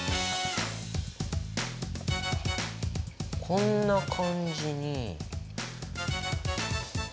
こんな感じに。